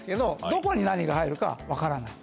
どこに何が入るか分からない